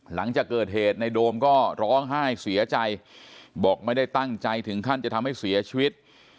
หลังจากเกิดเหตุในโดมก็ร้องไห้เสียใจบอกไม่ได้ตั้งใจถึงขั้นจะทำให้เสียชีวิต